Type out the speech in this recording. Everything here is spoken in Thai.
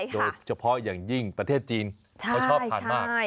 โดยเฉพาะอย่างยิ่งประเทศจีนเขาชอบทานมาก